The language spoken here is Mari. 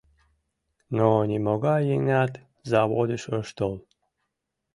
Но нимогай еҥат заводыш ыш тол.